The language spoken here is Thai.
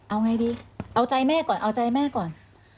เอาไงดีเอาใจแม่ก่อนเอาใจแม่ก่อน